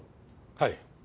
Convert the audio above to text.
はい。